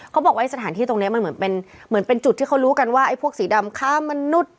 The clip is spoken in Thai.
บอกว่าสถานที่ตรงนี้มันเหมือนเป็นเหมือนเป็นจุดที่เขารู้กันว่าไอ้พวกสีดำฆ่ามนุษย์